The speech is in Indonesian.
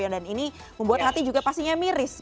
dan ini membuat hati juga pastinya miris